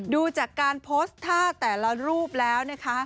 ดูจากการโพสต์ท่าแต่ละรูปแล้วนะคะ